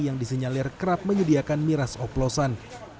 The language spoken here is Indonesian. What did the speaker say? yang disinyalir kerap menyediakan miras oplosan